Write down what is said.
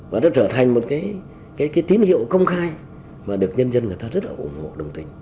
và đã trở thành một cái tín hiệu công khai mà được nhân dân người ta rất là ủng hộ đồng tình